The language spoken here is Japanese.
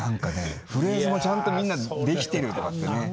フレーズもちゃんとみんなできてるとかってね。